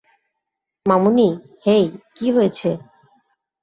মামুনি, hey, কী হয়েছে?